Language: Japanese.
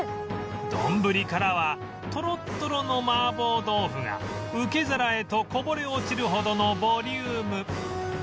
丼からはトロットロの麻婆豆腐が受け皿へとこぼれ落ちるほどのボリューム